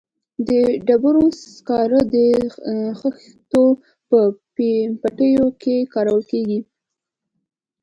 د ډبرو سکاره د خښتو په بټیو کې کارول کیږي